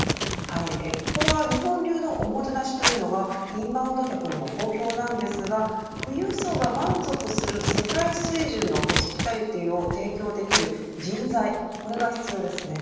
ここは日本流のおもてなしというのはインバウンド客にも好評ですが富裕層が満足する世界水準のホスピタリティーを提供できる人材これが必要です。